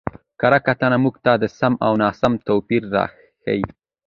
کره کتنه موږ ته د سم او ناسم توپير راښيي.